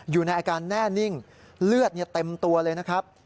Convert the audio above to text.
อยู่ในอาการแน่นิ่งเลือดเต็มตัวเลยนะครับ